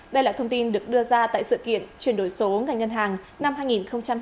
đây là thông tin được đưa ra tại sự kiện chuyển đổi số ngành ngân hàng năm hai nghìn hai mươi bốn